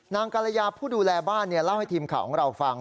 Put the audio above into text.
กรยาผู้ดูแลบ้านเล่าให้ทีมข่าวของเราฟัง